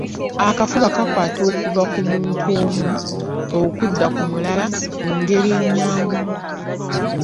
Akafuba kakwata okuva ku muntu omu okudda ku mulala mu ngeri nnyangu nnyo.